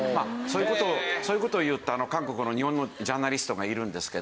そういう事を言った韓国の日本のジャーナリストがいるんですけど。